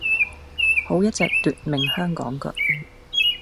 好一隻奪命香雞腳